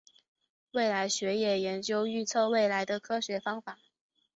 未来学也研究预测未来的科学方法。